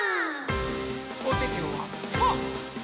おててはパー！